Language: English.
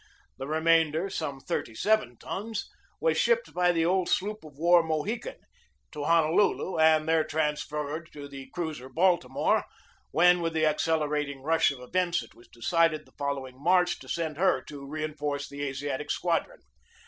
The remainder (some thirty seven tons) was shipped by the old sloop of war Mohican to Honolulu, and there transferred to the cruiser Baltimore, when, with the accelerating rush of events, it was decided, the following March, to send her to reinforce the Asi atic Squadron.